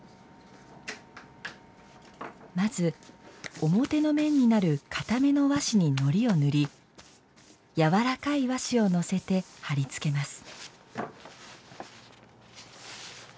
まず表の面になる硬めの和紙にのりを塗り柔らかい和紙をのせて貼り付けます。